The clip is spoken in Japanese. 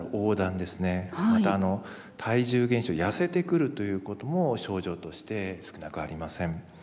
また体重減少痩せてくるということも症状として少なくありません。